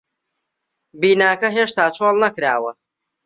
بیناکە هێشتا چۆڵ نەکراوە.